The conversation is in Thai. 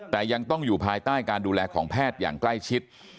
แต่ยังต้องอยู่ภายใต้การดูแลของแพทย์อย่างใกล้ชิด